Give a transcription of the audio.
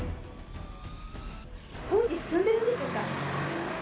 工事進んでるんでしょうか。